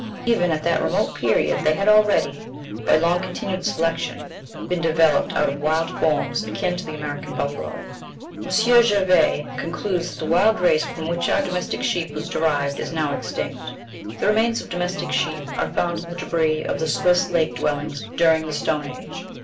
Even at that remote period they had already, by long continued selection, been developed out of wild forms akin to the American buffalo. M. Gervais ("Hist. Nat. des Mammifores," vol. xi., p. 191) concludes that the wild race from which our domestic sheep was derived is now extinct. The remains of domestic sheep are found in the debris of the Swiss lake dwellings during the Stone Age.